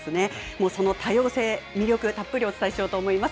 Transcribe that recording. もうその多様性、魅力、たっぷりお伝えしようと思います。